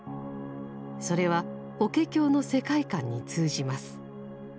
それは法華経の世界観に通じます。